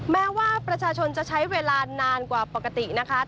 แม้ว่าประชาชนจะใช้เวลานานกว่าปกตินะคะ